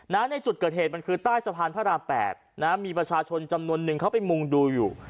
ในจุดเกิดเหตุมันคือใต้สะพานพระราม๘นะฮะมีประชาชนจำนวนนึงเขาไปมุ่งดูอยู่